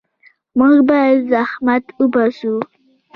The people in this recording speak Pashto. موږ باید زحمت وباسو.